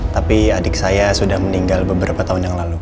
tapi adik saya sudah meninggal beberapa tahun yang lalu